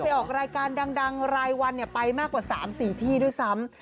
ออกรายการดังรายวันไปมากกว่า๓๔ที่ด้วยซ้ำ